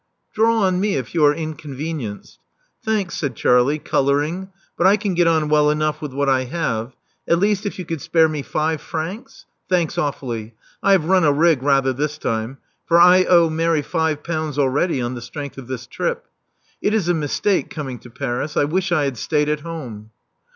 Draw on me if you are inconvenienced." ••Thanks," said Charlie, coloring; *'but I can get on well enough with what I have — at least, if you could spare me five francs — Thanks awfully. I have run a rig rather this time; for I owe Mary five pounds already on the strength of this trip. It is a mistake ciming to Paris. I wish I had stayed at home."